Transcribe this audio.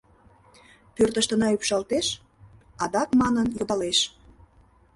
Пӧртыштына ӱпшалтеш?» Адак манын йодалеш...